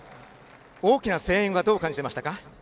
大きな声援はどう感じてましたか。